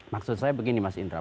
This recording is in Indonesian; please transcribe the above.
maksud saya begini mas indra